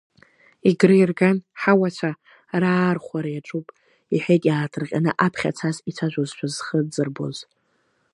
Егры ирган ҳауацәа раархәара иаҿуп, — иҳәеит иааҭырҟьаны, аԥхьа цас ицәажәозшәа зхы дзырбоз.